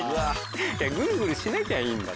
グルグルしなきゃいい。何だ？